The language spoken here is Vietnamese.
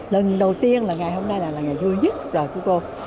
lần đầu tiên là ngày hôm nay là ngày vui nhất của cô